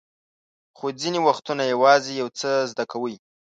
خو ځینې وختونه یوازې یو څه زده کوئ.